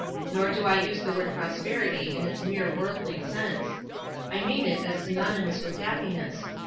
Nor do I use the word prosperity in its mere worldly sense. I mean it as synonymous with happiness.